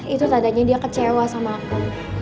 itu tandanya dia kecewa sama aku